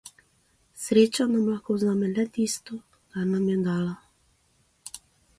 Sreča nam lahko vzame le tisto, kar nam je dala.